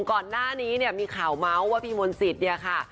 ก่อนหน้านี้เนี่ยมีข่าวเมาส์ว่าพี่มนต์สิทธิ์เนี่ยค่ะ